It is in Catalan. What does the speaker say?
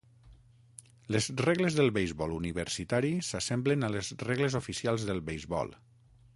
Les regles del beisbol universitari s'assemblen a les regles oficials dels beisbol.